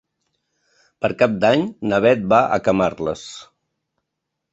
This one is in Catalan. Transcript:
Per Cap d'Any na Bet va a Camarles.